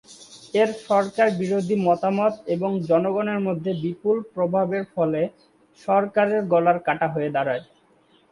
এর সরকার-বিরোধী মতামত এবং জনগণের মধ্যে বিপুল প্রভাবের ফলে সরকারের গলার কাঁটা হয়ে দাঁড়ায়।